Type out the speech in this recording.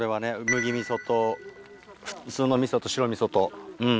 麦味噌と普通の味噌と白味噌とうん。